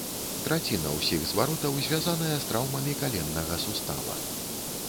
Траціна ўсіх зваротаў звязаная з траўмамі каленнага сустава.